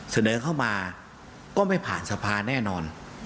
เสนอเข้ามาก็ไม่ผ่านสภาแน่นอน